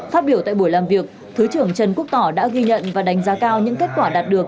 phát biểu tại buổi làm việc thứ trưởng trần quốc tỏ đã ghi nhận và đánh giá cao những kết quả đạt được